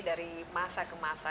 dari masa ke masa